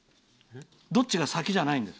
どっちが先じゃないんです。